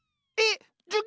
えっ！